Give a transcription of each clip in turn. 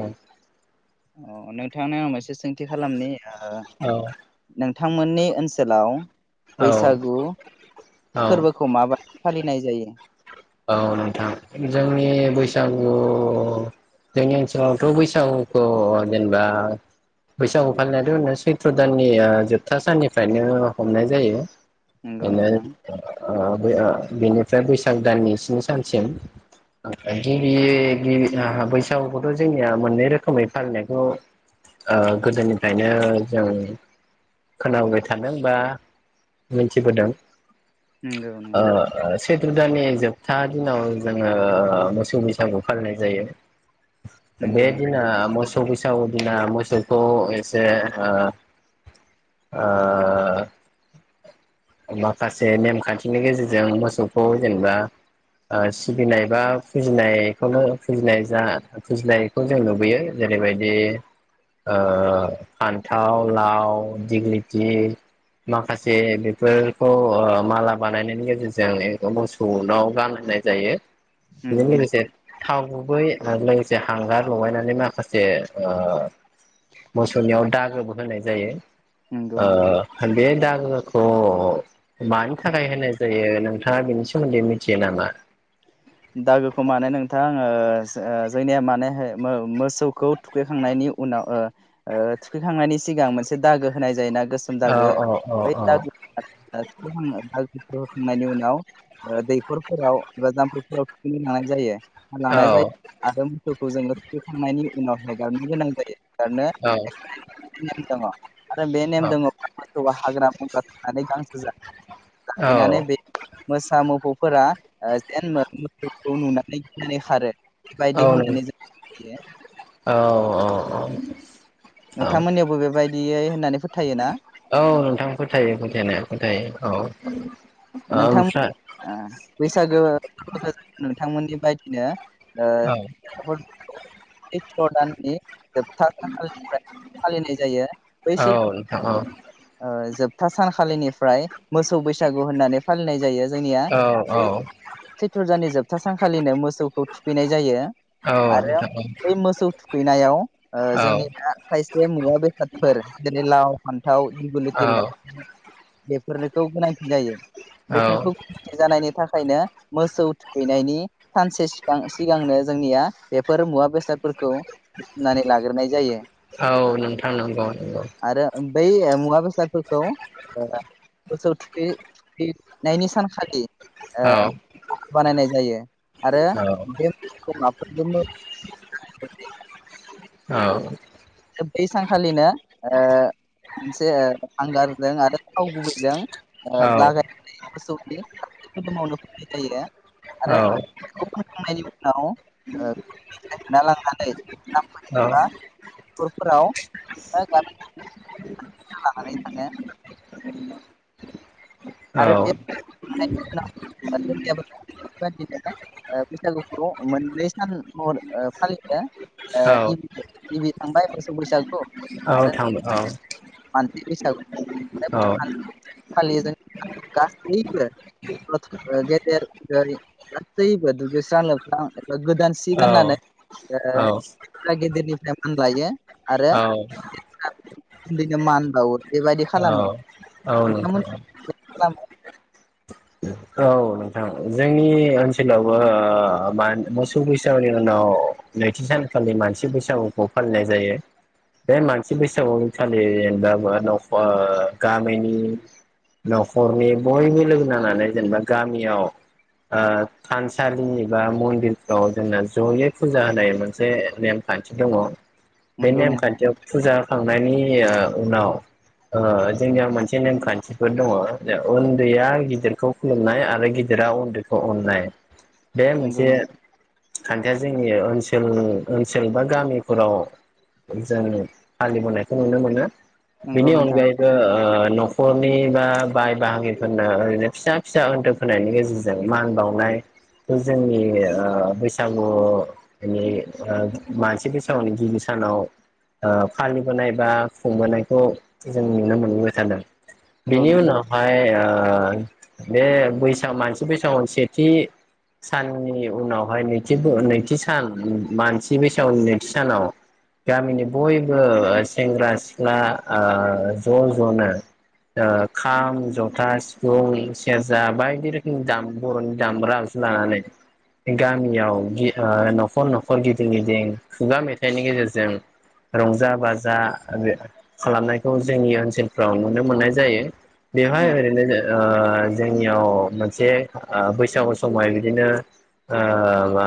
औ। अ नोंथांनि आं मोनसे सोंथि खालामनि ओ औ नों बिथांमोननि ओनसोलाव औ बैसागु औ फोरबोखौ माबायदि फालिनाय जायो? औ नोंथां जोंनि बैसागु जोंनि ओनसोलावथ' बैसागुखौ जेनेबा बैसागु फालिनायाथ' चैत्र दाननि जोबथा साननिफ्रायनो हमनाय जायो। [unintelligible] ओ नंगौ नोंथां बे ओ बेनिफ्राय बैसाग दाननि स्नि सानसिम गिबि गिबि बैसागुखौथ' जोंनिया मोननै रोखोमै फालिनायखौ गोदोनिफ्रायनो जों खोनाबाय थादों बा मिथिबोदों। नंगौ नोंथां। चैत्र दाननि जोबथा दिनाव जोङो मोसौ बैसागु फालिनाय जायो। नंगौ बे नोंथां दिना मोसौ बैसागु दिना मोसौखौ एसे ओ ओ माखासे नेमखान्थिनि गेजेरजों मोसौखौ जेनेबा ओ सिबिनाय बा फुजिनायखौनो फुजिनाय जा फुजिनायखौ जों नुबोयो जेरैबायदि ओ फान्थाव, लाव, दिग्लिथि माखासे बेफोरखौ ओ माला बानायनायनि गेजेरजों मोसौनाव बानायनाय जायो बेजों नंगौ लोगोसे नोंथां थाव गुबै आरो लोगोसे हांगार लगायनानै माखासे ओ मोसौनियाव दागोबो होनाय जायो। नंगौ ओ नोंथां बे दा खौ मानि थाखाय होनाय जायो नोंथाङा बेनि सोमोन्दै मिथियो नामा? दागोखौ माने नोंथां ओ जोंनिया माने मा ओ मोसौखौ थुखैखांनायनि उनाव थुखैखांनायनि सिगां मोनसे दागो होनाय जायो ना गोसोम औ दागो औ औ ब [unintelligible] होखांनायनि उनाव दैखरफोराव एबा जाम्फैफोर आव थुखैनो लांनाय जायो औ लांनाय जायो आरो मोसौखौ जोङो थुखैखांनायनि उनाव हेंगारनो गोनां जायो। औ [unintelligible] बे नेम दङो हाग्रा बंग्रा थांनानै गांसो [unintelligible] औ जाहैनानै बे मोसा मुफौ मोसौखौ नुनानै गिनानै खारो मोसौखौ नुनानै गिनानै खारो औ बायदि नों होननानै जों मिथियो। औ औ औ। औ नोंथांमोननियावबो बेबायदि यै होननानै फोथायोना औ। नोंथां फोथायो फोथायनाया फोथायो औ। ओमफ्राय नोंथांमोन ओ बैसागो [unintelligible] नोंथांमोननि बायदिनो ओ औ [unintelligible] सैथ्र दान्नि जोबथानिफ्राय फालिनाय जायो बै औ नोंथां औ सैथ्र जोब था सानखालिनिफ्राय मोसौ बैसागु होननानै फालिनाय जायो। जोंनिया औ औ बे सैथ्र' दाननि जोबथा सानखालिनो मोसौखौ थुखैनाय जायो‌। औ आरो नोंथां बै मोसौ थु खैनायाव औ जोंनिया खायसे मुवा बेसादफोर जेरै लाव फान्थाव दिग औ लथि लावथि, बेफोरखौ गोनांथि जायो। औ बेफोरखौ [unintelligible] जानायनि थाखायनो- मोसौ थुखैनायनि सानसे सिगांनो जोंनिया बेफोर मुवा बेसाद फोरखौ बुुथुमनानै लाग्रोनाय जायो औ नोंथां नंगौ नंगौ आरो बै मुवा बेसादफोरखौ ओ मोसौ थुखै नायनि सानखालि ओ औ बानायनाय जायो आरो औ बे [inaudible] औ। बै सानखालिनो ओ मोनसे हांगारजों आरो थाव गुबैजों लागायनानै मोसौ [unintelligible] औ आरो [inaudible] उनाव ओ [inaudible] लांनानै जामफै एबा खरफोराव [inaudible] लानानै थाङो औ। बेफोरबादिनो बैसागुखौ मोननै सान महर फालियो। ओ गिबि थांबाय मोसौ बैसा औ थांबाय औ। मानसि बैसागु बे औ। फालियो जों गासैबो गेदेर उन्दै गासैबो दुगैस्रां लोबस्रां गोदान सि गाननानै ओ [unintelligible] थेमफान बायो। आरो उन्दैनो मान बावो। बेबायदि खालामो औ औ नोंथां। नोंथांमोन खालामो औ नोंथां जोंनि ओनसोलावबो मा मोसौ बैसागुनि उनाव नैथि सानखालि मानसि बैसागुखौ फालिनाय जायो बे मानसि बैसागुनि फालि दामादं गामिनि न'खरनि बयबो लोगो नांनानै जेनेबा गामियाव ओ थानसालिनि बा मन्दिरफ्राव जोंना जयै फुजा होनाय मोनसे नेमखान्थि दङ। बे नंगौ नोंथां नेमखान्थियाव फुजा खा थांनायनि उनाव ओ जोंनियाव मोनसे नेमखान्थिफोर दङ उन्दैया गिदिरखौ खुलुमनाय आरो गिदिरा उन्दैखौ अननाय। बे नंगौ मोनसे नों खान्थिया जोंनि ओनसोल ओनसोल बा गामिफोराव जों फालिबोनायखौ नुनो मोनो। नंगौ बिनि नोंथां अनगायैबो आ न'खरनि बा बाय बाहागिफोरनो ओरैनो फिसा फिसा ओनथोब होनायनि गेजेरजों मान बावनायखौ जोंनि बैसागु जोंनि मानसि बैसागुनि गिबि सानाव फालिबोनाय बा खुंबोनायखौ जों नुनो मोनबाय थादों। नंगौ बिनि नोंथां उनावहाय आ बे बैसाग मासनि बैसागु सेथि साननि उनावहाय नैथि नैथि सान मानसि बैसागनि नैथि सानाव गामिनि बयबो सेंग्रा सिख्ला ओ ज' ज'नो ओ खाम जथा सिफुं सु सेरजा बायदि रोखोमनि दाम बर'नि दामग्रा आगजु लानानै गामियाव गि-न'खर न'खर गिदिं गिदिं खुगा मेथाइनि गेजेरजों रंजा बाजा खालामनायखौ जोंनि ओनसोलफ्राव नुनो मोननाय जायो। बेेहाय नंगौ ओरैनो जो ओ जोंनियाव ओ मोनसे बैसागु समावहाय बिदिनो मा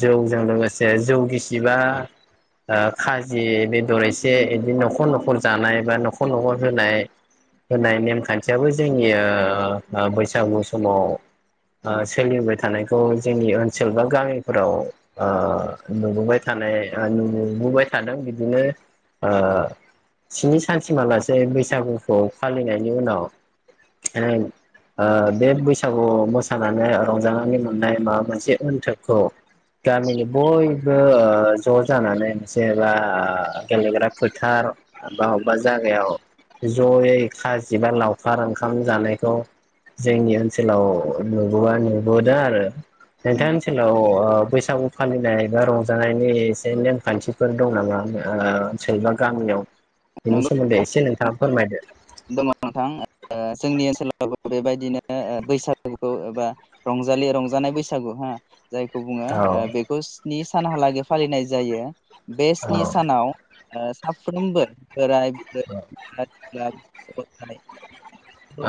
जौजों लोगोसे जौ गिसिबा खाजि बेदर एसे बिदिनो न'खर न'खर जानाय बा न'खर न'खर होनाय होनाय नेमखान्थियाबो जोंनि ओ ओ बैसागु समाव सोलिबोबाय थानायखौ जोंनि ओनसोल बा गामिफोराव ओ नुबोबाय थानाय नुबोबाय थादों बिदिनो ओ स्नि सानसिमालासे बैसागुखौ फालिनायनि उनाव ओ बे बैसागु मोसानानै रंजानानै मोननाय माबा मोनसे ओनथोबखौ गामिनि बयबो ओ ज' जानानै मोनसेबा गेलेग्रा फोथार बा अबेबा जागायाव जयै खाजि बा लावखार ओंखाम जानायखौ जोंनि ओनसोलाव नुबोबा नुबोदों आरो नोंथांनि नंगौ ओनसोलाव बैसागु फालिनाय बा रंजानायनि एसे नेमखान्थिफोर दं नामा ओनसोल बा गामियाव बेनि नंगौ सोमोन्दै एसे नोंथाङा फोरमायदो। दङ नोंथां ओ जोंनि ओनसोलावबो बेबायदिनो बैसागुखौ एबा रंजालि रंजानाय बैसागु हो जायखौ बुङो औ आ बेखौ नि सानहालागै फालिनाय जायो। बे औ स्नि सानाव ओ साफ्रोमबो बोराय बुरै सेंग्रा सिख्ला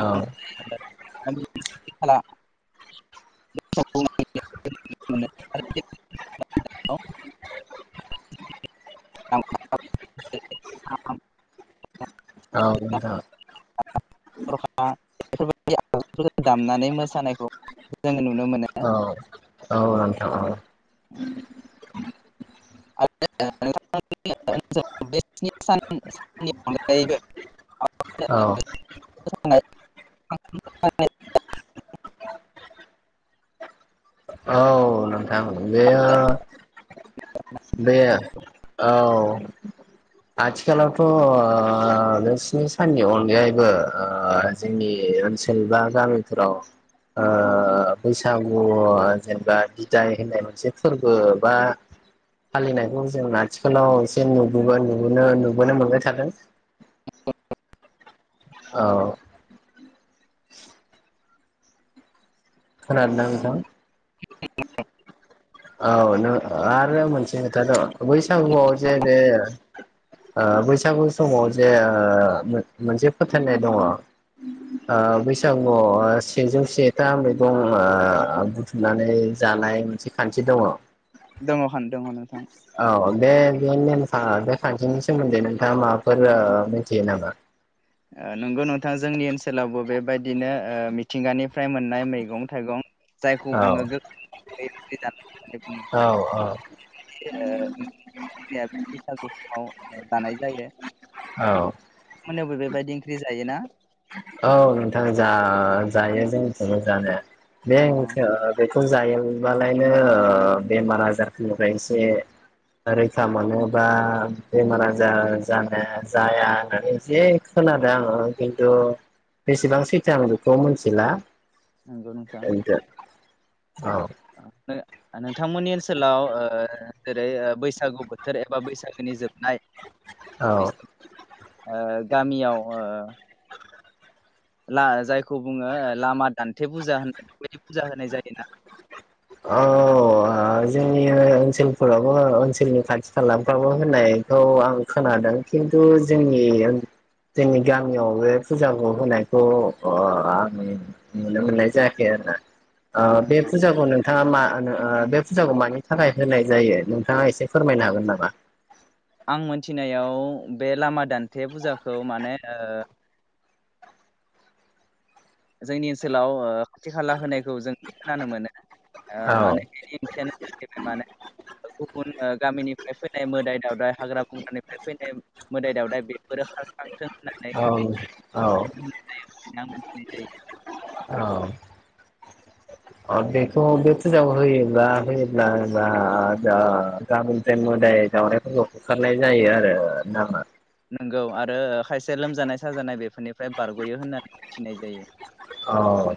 औ [unintelligible] [unintelligible] [unintelligible] [unintelligible] [unintelligible] औ [unintelligible] बै आगजुफोरखौ दामनानै मोसानायखौ जोङो नु औ औ औ उम [unintelligible] [unintelligible] स्नि साननि औ अनगायैबो [unintelligible] [unintelligible] [unintelligible] औ नोंथां बेयो बेयो औ आथिखालावथ' नों स्नि साननि अनगायैबो ओ जोंनि ओनसोल बा गामिफोराव ओ बैसागु अ जेनेबा बिदाय होननाय मोनसे फोरबो बा फालिनायखौ जों आथिखालाव एसे नुबोनो नुबोनो मोनबाय थादों। औ खोनादों ना नोंथां। औ नों आरो मोनसे खोथा दं बैसागुआव जे बे- ओ बैसागु समाव बेयो मोनसे फोथायनाय दङ ओ बैसागुयाव सेजौ सेथा मैगं ओ बुथुमनानै जानाय मोनसे खान्थि दङ दङ [unintelligible] नोंथां औ बे बे नेमखा बे खान्थिनि सोमोन्दै नोंथाङा माबाफोर ओ मिथियो नामा। नंगौ नोंथां जोंनि ओनसोलावबो बेबायदिनो ओ मिथिंगानिफ्राय मोननाय मैगं थाइगं जायखौ औ बुङो गो औ औ [unintelligible] बैसागु समाव दानाय जायो [unintelligible] औ मोनायावबो बेबायद जायोना औ नोंथां जा जायो जोंनिथिंबो जानाया। अ [unintelligible] जायोबालायनो ओ बेमार आजारफोरनिफ्राय एसे रैखा मोनोबा बेमार आजार जानाया जाया होननानै जे खोनादों आङो खिन्थु बेसेबां सैथो आं बेखौ मिथिला। नोंगौ नोंथां औ नोंथांमोननि ओनसोलाव ओ जेरै बैसागु बोथोर एबा बैसागोनि जोबनाय औ बैसाग- ओ गामियाव ओ ला जायखौ बुंङो लामा दान्थे फुजा होनाय बेबायदि फुजा होनाय जायोना अ ओ जोंनि ओनसोलफोरावबो ओनसोलनि खाथि खालाफ्रावबो होनायखौ आं खोनादों खिन्थु जोंनि ओन जोंनि गामियाव बे फुजाखौ होनायखौ ओ आं नुनो मोननाय जायाखै आरोना आ नंगौ बे नोंथां फुजाखौनो [unintelligible] बे फुजाखौ मानि थाखाय होनाय जायो नोंथांङा एसे फोरमायनो हागोन नामा आं मोनथिनायाव बे लामा दान्थे फुजाखौ माने ओ जोंनि ओनसोलाव खाथि खाला होनाय खौ जों खोनानो मोनो ओ औ माने बेनि ओंथियानो जाहैबाय माने गुबुन ओ गामिनिफ्राय फैनाय मोदाय दावदाय हाग्रा बंग्रानिफ्राय फैनाय मोदाय दावदाय बेफोरो खारस्रांथों होननानै औ औ फुजाखौ होनाय जायो [inaudible] होनाय जायो। औ अ बेखौ बे फुजाखौ होयोब्ला होयोब्ला दा गाबोननिफ्राय मोदाय दावरायफोरखौ होखारनाय जायो आरो नामा नोंगौ आरो ओ खायसे लोमजानाय साजानाय बेफोरनिफ्राय बारग'यो होननानै मिथिनाय जायो। औ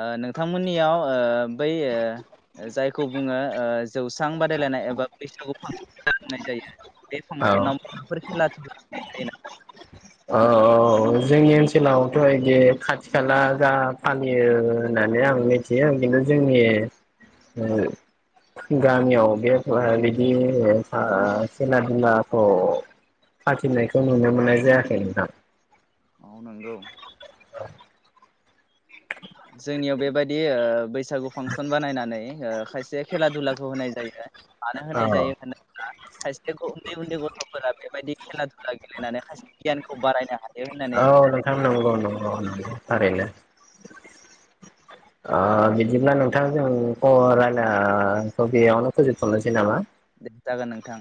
ओ नोंथांमोननियाव ओ बै ओ जायखौ बुंङो ओ जौस्रां बादायलायनाय एबा बैसागु फांसन [unintelligible] जायो। बे औ फांसनाव माबाफोर खेलाधुला होनाय जायो नामा? औ [unintelligible] जोंनि ओनसोलावथ' इदि खाथि खाला जा फालियो होननानै आं मिथियो खिन्थु जोंनि ओ गामियाव बे बिदि ओ खेला दुलाखौ फाथिनायखौ नुनो मोननाय जाया खै नोंथां। अ नंगौ। जोंनियाव बेबायदि ओ बैस बैसागु फांसन बानायनानै ओ खायसे खेला दुलाखौ होनाय जायो। मानो औ होनाय जायो होनोब्ला खायसेखौ उन्दै उन्दै गथ'फोरा बे बायदि खेला दुला गेलेनानै खायसे गियान खौ बारायनो हाय औ नोंथां नंगौ नंगौ नंगौ थारैनो। ओ बिदिब्ला नोंथां जों ख रायलाना खौ बेयावनो फोजोबथ'नोसै नामा? दे जागोन नोंथां।